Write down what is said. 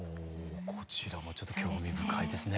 こちらもちょっと興味深いですね。